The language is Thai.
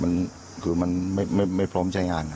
มันก็คือมันไม่พร้อมใช่งานครับ